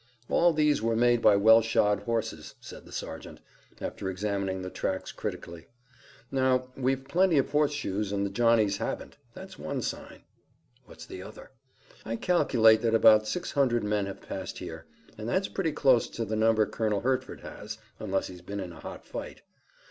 "All these were made by well shod horses," said the sergeant, after examining the tracks critically. "Now, we've plenty of horseshoes and the Johnnies haven't. That's one sign." "What's the other?" "I calculate that about six hundred men have passed here, and that's pretty close to the number Colonel Hertford has, unless he's been in a hot fight."